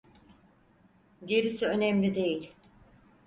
Gerisi önemli değil.